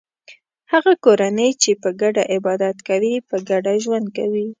هغه کورنۍ چې په ګډه عبادت کوي په ګډه ژوند کوي.